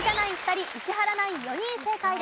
２人石原ナイン４人正解です。